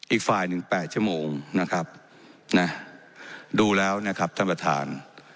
อีกฝ่ายหนึ่ง๘ชั่วโมงนะครับนะดูแล้วนะครับท่านประธาน